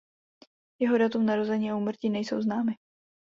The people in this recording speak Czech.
Jeho datum narození a úmrtí nejsou známy.